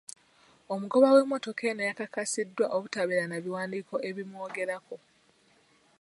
Omugoba w'emmotoka eno yakakasiddwa obutabeera na biwandiiko ebimwogerako.